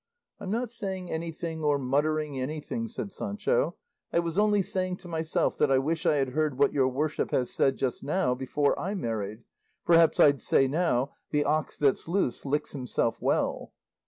"I'm not saying anything or muttering anything," said Sancho; "I was only saying to myself that I wish I had heard what your worship has said just now before I married; perhaps I'd say now, 'The ox that's loose licks himself well.